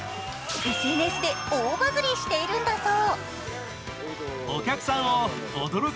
ＳＮＳで大バズりにしているんだそう。